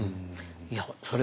いやそれ